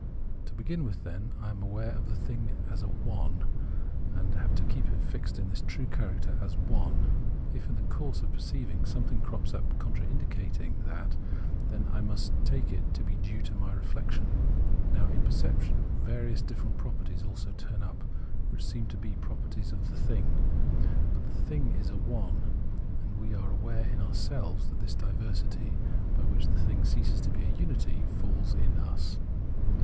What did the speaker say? To begin with, then, I am aware of the " thing " as a " one," and have to keep it fixed in this true character as " one." If in the course of perceiving something crops up contradicting that, then I must take it to be due to my reflection. Now, in perception various different properties also turn up, which seem to be properties of the thing. But the thing is a " one "; and we are aware in ourselves that this diversity, by which the thing ceases to be a unity, falls in us.